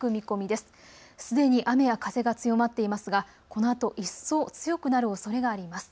すでに雨や風が強まっていますがこのあと一層強くなるおそれがあります。